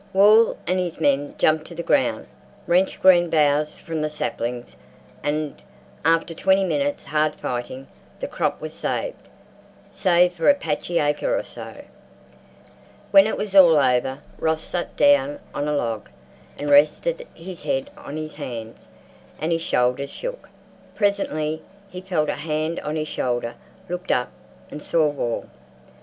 Wall and his men jumped to the ground, wrenched green boughs from the saplings, and, after twenty minutes' hard fighting, the crop was saved—save for a patchy acre or so. When it was all over Ross sat down on a log and rested his head on his hands, and his shoulders shook. Presently he felt a hand on his shoulder, looked up, and saw Wall.